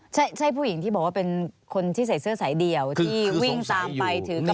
ใช่ใช่ผู้หญิงที่บอกว่าเป็นคนที่ใส่เสื้อสายเดี่ยวที่วิ่งตามไปถือกับ